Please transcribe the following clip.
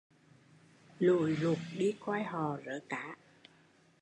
Lội lụt đi coi họ rớ cá